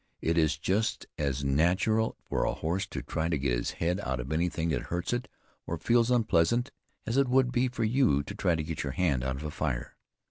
It is just as natural for a horse to try to get his head out of anything that hurts it, or feels unpleasant, as it would be for you to try to get your hand out of a fire.